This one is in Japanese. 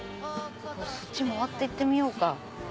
そっち曲がって行ってみようか。